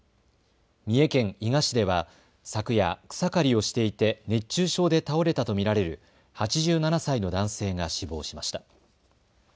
三重県伊賀市では昨夜、草刈りをしていて熱中症で倒れたと見られる８７歳の男性が死亡しました。